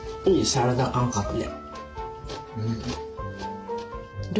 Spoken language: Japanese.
サラダ感覚で。